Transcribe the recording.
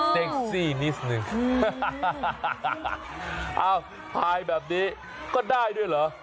เซ็กซี่นิดนึงอ้าวพายแบบนี้ก็ได้ด้วยเหรอ